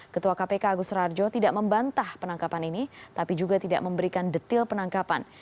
ketua kpk agus rarjo tidak membantah penangkapan ini tapi juga tidak memberikan detil penangkapan